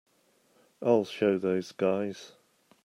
I'll show those guys.